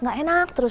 enggak enak terus